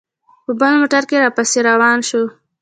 په بل موټر کې را پسې روان شو.